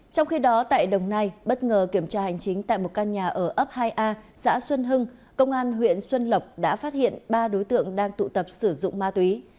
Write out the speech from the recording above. trong khi đó tại đồng nai bất ngờ kiểm tra hành chính tại một căn nhà ở ấp hai a xã xuân hưng công an huyện xuân lộc đã phát hiện ba đối tượng đang tụ tập sử dụng ma túy